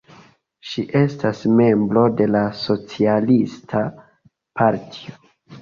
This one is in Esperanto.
Ŝi estas membro de la Socialista Partio.